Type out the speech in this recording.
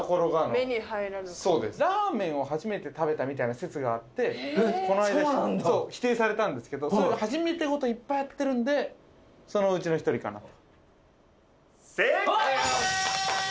目に入らぬかラーメンを初めて食べたみたいな説があってこの間否定されたんですけどそれが初めてごといっぱいやってるんでそのうちの一人かなと正解でーす！